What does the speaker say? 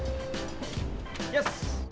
よし。